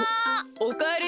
おかえり。